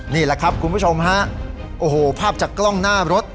นี่แหละครับคุณผู้ชมฮะโอ้โหภาพจากกล้องหน้ารถ